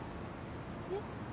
えっ？